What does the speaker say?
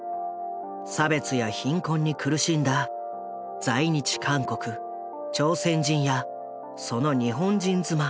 差別や貧困に苦しんだ在日韓国・朝鮮人やその日本人妻